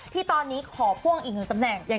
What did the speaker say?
ที่ตอนนี้ขอพ่วงอีกหนึ่งตำแหน่ง